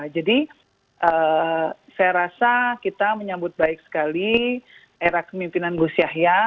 jadi saya rasa kita menyambut baik sekali era kemimpinan gus yahya